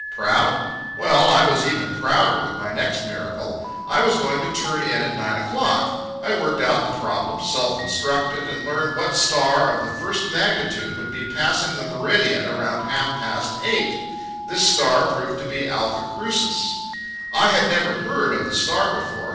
Proud? Well, I was even prouder with my next miracle. I was going to turn in at nine o'clock. I worked out the problem, self instructed, and learned what star of the first magnitude would be passing the meridian around half past eight. This star proved to be Alpha Crucis. I had never heard of the star before.